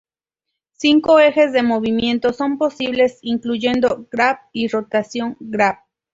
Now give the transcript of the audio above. Cinco ejes de movimiento son posibles, incluyendo Grab y Rotación Grab.